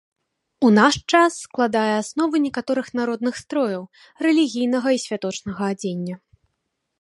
У наш час складае аснову некаторых народных строяў, рэлігійнага і святочнага адзення.